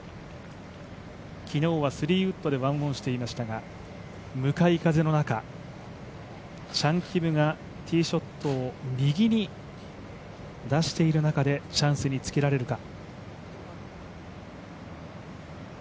昨日は、３ウッドで１オンしていましたが、向かい風の中、チャン・キムがティーショットを右に出している中でチャンスにつけられるか。